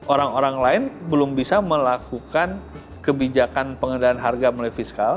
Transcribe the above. orang orang lain belum bisa melakukan kebijakan pengendalian harga mulai fiskal